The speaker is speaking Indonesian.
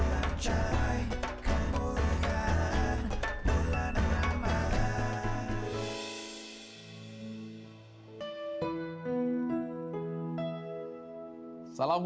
hai nabi acai kemuliaan bulan amalan